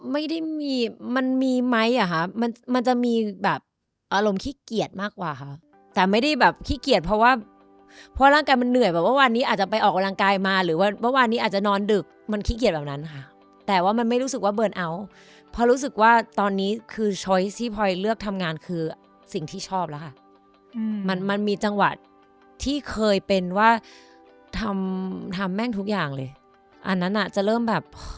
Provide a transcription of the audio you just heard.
ไม่ได้มีมันมีไหมอ่ะค่ะมันจะมีแบบอารมณ์ขี้เกียจมากกว่าค่ะแต่ไม่ได้แบบขี้เกียจเพราะว่าเพราะร่างกายมันเหนื่อยว่าวันนี้อาจจะไปออกกำลังกายมาหรือว่าวันนี้อาจจะนอนดึกมันขี้เกียจแบบนั้นค่ะแต่ว่ามันไม่รู้สึกว่าเบิร์นเอาท์เพราะรู้สึกว่าตอนนี้คือช้อยที่พลอยเลือกทำงานคือสิ่งที่ชอบ